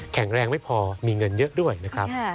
แข็งแรงไม่พอมีเงินเยอะด้วยนะครับ